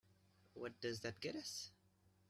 What does that get us?